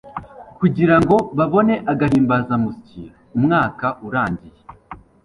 kugira ngo babone agahimbazamusyi umwaka urangiye